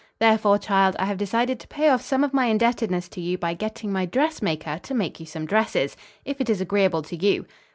Therefore, child, I have decided to pay off some of my indebtedness to you by getting my dressmaker to make you some dresses, if it is agreeable to you.